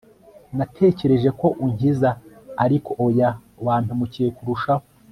natekereje ko unkiza ariko oya, wampemukiye kurushaho